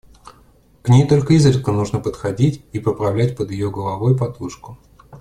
К ней только изредка нужно подходить и поправлять под ее головой подушку.